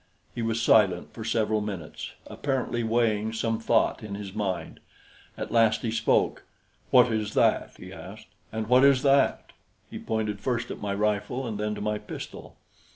He was silent for several minutes, apparently weighing some thought in his mind. At last he spoke. "What is that?" he asked. "And what is that?" He pointed first at my rifle and then to my pistol.